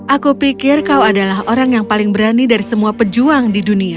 aku pikir kau adalah orang yang paling berani dari semua pejuang di dunia